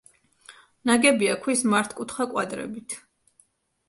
ნაგებია ქვის მართკუთხა კვადრებით.